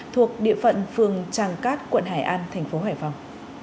thuộc địa phận phường tràng cát quận hải an thành phố hải phòng